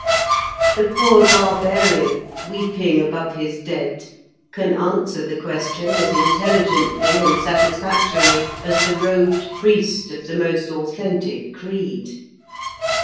The poor barbarian weeping above his dead can answer the question as intelligently and satisfactorily as the robed priest of the most authentic creed.